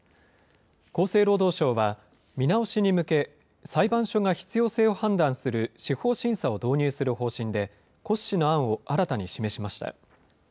厚生労働省は見直しに向け、裁判所が必要性を判断する司法審査を導入する方針で、骨子の案を新たに示しました。